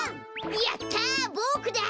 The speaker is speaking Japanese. やったボクだ！